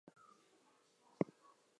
Could you read this to me?